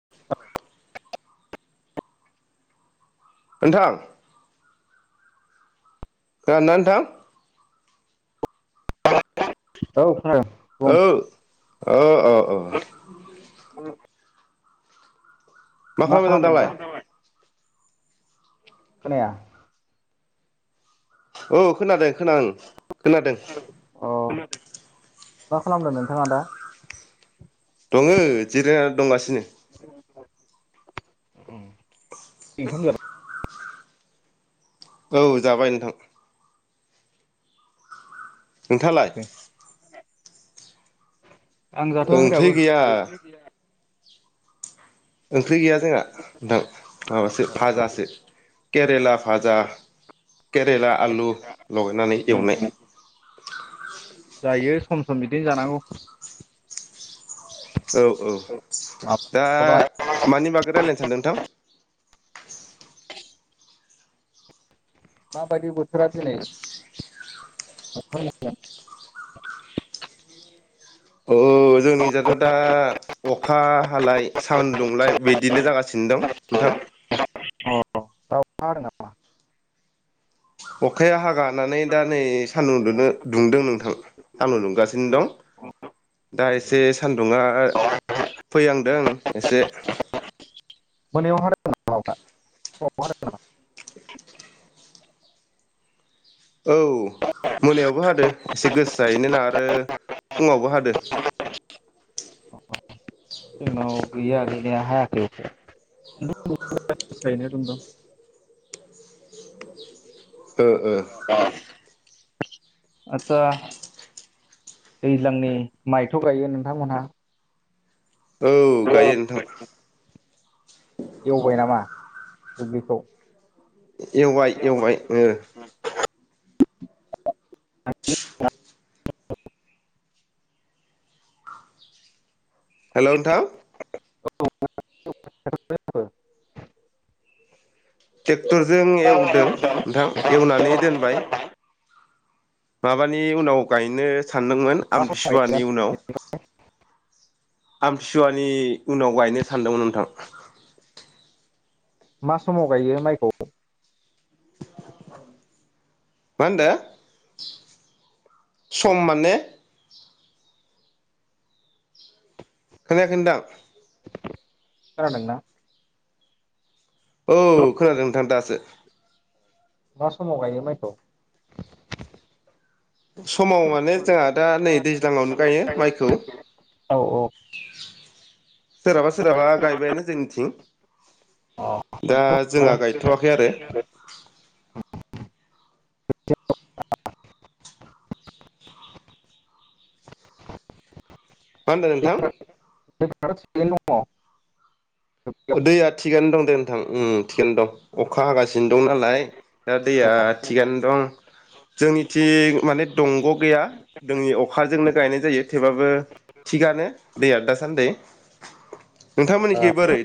[inaudible] नोंथां खोनादोना नोंथां? औ खोनादों बुं ओ ओ ओ ओ मा खालामबाय दं खालामदों दा दालाय? खोनाया औ खोनादों खोना ओं अ मा खालामदो नोंथाङा दा? दङो जिरायना दंगासिनो। ओम इंखाम जाबा औ जाबाय नोंथां। नोंथाङालाय? जाथ'वाखै आं जाथवाखै ओंख्रि दाबो गैया । ओंख्रि गैया जोंहा नोंथां माबासो भाजासो केरेला भाजा केरेला आलु लगायनानै एवनाय जायो सम सम बिदिनो जानांगौ औ औ माब्ला दा माब्लाबा मानिबा रायलायनो सानदों नोंथां? [inaudible] माबायदि बोथोरा दिनै [unintelligible] अ जोंनि जाथ' दा अखा हालाय सानदुंलाय बिदिनो जागा [unintelligible] नोंथां [unintelligible] अखाया हागानानै दा नै सान्दुं दुनो दुंदों नोंथां सान्दुं दुंगासिनो दं दा एसे सान्दुंया फैहांदों एसे मोनायाव हादों नामा अखा [unintelligible] औ मोनायावबो हादो एसे गोसायैनोना आरो फुङावबो हादो जोंनाव गैया गैनाया [unintelligible] ओ -ओ आदसा दैज्लांनि माइथ' गायो नोंथांमोनहा? औ गायो नोंथां एवबाय नामा? दुब्लिखौ ए एवबाय एवबाय ओ हेल' नोंथां औ [unintelligible] थ [unintelligible] टरजों एवदों नोंथां एवनानै दोनबाय माबानि उनाव गायनो सानदोंमोन मा आमथि समाव गायगोन सुवानि उनाव । आमथिसुवानि उनाव गायनो सानदोंमोन नोंथां । मा समाव गायो माइखौ? मा होनदो? सम माने? खोनायाखै नोंथां । खोनादोंना? औ खोनादों नोंथां दासो । मा समाव गायो माइखौ? समाव माने जोंहा दा नै दैज्लाङावनो गायो माइखौ औ औ ।सोरहाबा सोरहाबा गायबायनो जोंनिथिं दा अ जोंहा गायथ'वाखै आरो [unintelligible] मा होनदों नोंथां? [unintelligible] बेयाव दैया थिगानो दं दे नोंथां उम थिगानो दं अखा हागासिनो दं नालाय दा दैया थिगानो दं । जोंनि थिं माने दंग' गैया दोंनि अखाजोंनो गायनाय जायो थेबाबो थिगानो दैया दासान्दै । नोंथां मोननिखि बोरै?